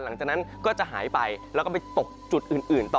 หลังจากนั้นก็จะหายไปแล้วก็ไปตกจุดอื่นต่อ